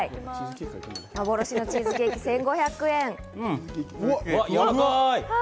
幻のチーズケーキ、１５００